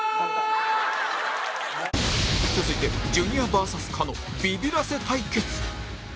続いてジュニア ＶＳ 狩野ビビらせ対決